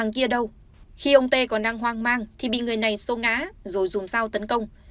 khi ông t còn đang hoang mang thì bị người này xô ngã rồi dùm sao tấn công